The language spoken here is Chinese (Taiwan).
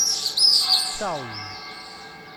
邵語